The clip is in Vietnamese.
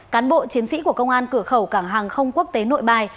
cán bộ chiến sĩ của công an cửa khẩu cảng hàng không quốc tế nội bài